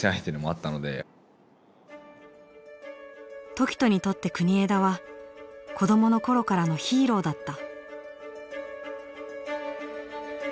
凱人にとって国枝は子どもの頃からのヒーローだった。